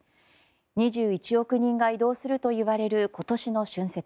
２１億人が移動するといわれる今年の春節。